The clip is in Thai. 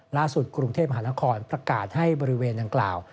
กรุงเทพมหานครประกาศให้บริเวณดังกล่าว